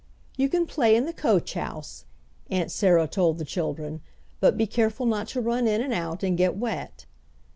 "You can play in the coach house," Aunt Sarah told the children, "but be careful not to run in and out and get wet."